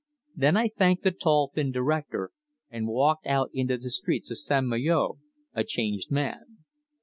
Then I thanked the tall, thin director and walked out into the streets of St. Malo a changed man.